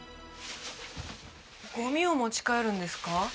ゴミを持ち帰るんですか？